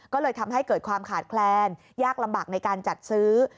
ก็เลยทำให้เกิดความขาดแคลนยากลำบากในการจัดซื้อ